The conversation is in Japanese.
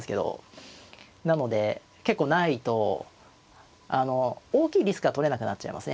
なので結構ないと大きいリスクは取れなくなっちゃいますね。